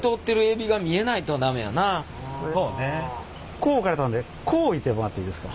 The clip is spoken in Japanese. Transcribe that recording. こう置かれたのでこう置いてもらっていいですか。